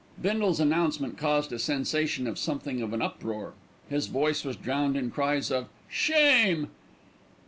Bindle's announcement caused a sensation and something of an uproar. His voice was drowned in cries of "Shame!"